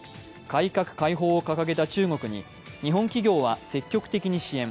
改革開放を掲げた中国に日本企業は積極的に支援。